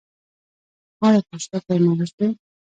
ایا پوستکی مو وچ دی؟